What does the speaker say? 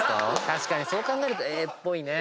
確かにそう考えるとＡっぽいね。